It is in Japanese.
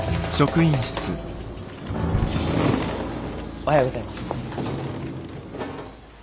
おはようございます。